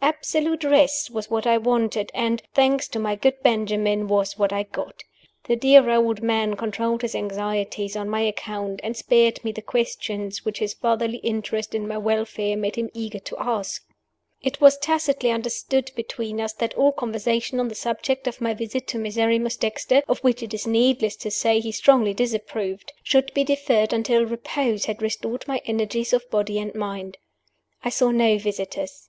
Absolute rest was what I wanted, and (thanks to my good Benjamin) was what I got. The dear old man controlled his anxieties on my account, and spared me the questions which his fatherly interest in my welfare made him eager to ask. It was tacitly understood between us that all conversation on the subject of my visit to Miserrimus Dexter (of which, it is needless to say, he strongly disapproved) should be deferred until repose had restored my energies of body and mind. I saw no visitors. Mrs.